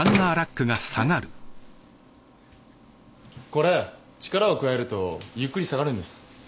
これ力を加えるとゆっくり下がるんです。